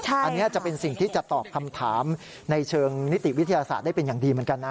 อันนี้จะเป็นสิ่งที่จะตอบคำถามในเชิงนิติวิทยาศาสตร์ได้เป็นอย่างดีเหมือนกันนะ